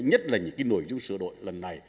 nhất là những nổi dung sửa đổi lần này